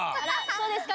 そうですか？